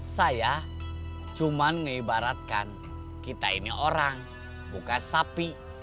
saya cuma ngeibaratkan kita ini orang bukan sapi